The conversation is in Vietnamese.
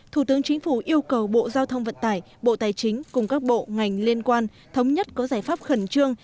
thủ tướng chính phủ yêu cầu bộ giao thông vận tải bộ tài chính cùng các bộ ngành liên quan thống nhất có giải pháp khẩn trương